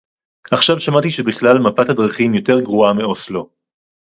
עכשיו שמעתי שבכלל מפת הדרכים יותר גרועה מאוסלו